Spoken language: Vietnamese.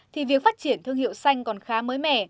thì việc phát triển thương hiệu xanh còn khá mới mẻ